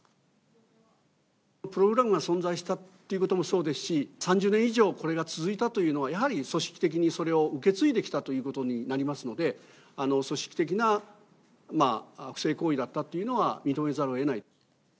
プログラムが存在したということもそうですし、３０年以上、これが続いたというのは、やはり組織的にそれを受け継いできたということになりますので、組織的な不正行為だったっていうのは、認めざるをえない。